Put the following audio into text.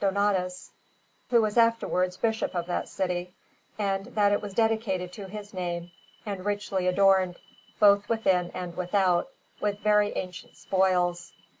Donatus, who was afterwards Bishop of that city; and that it was dedicated to his name, and richly adorned, both within and without, with very ancient spoils.